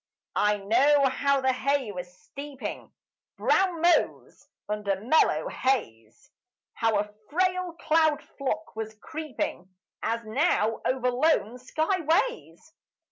I know how the hay was steeping, Brown mows under mellow haze; How a frail cloud flock was creeping As now over lone sky ways.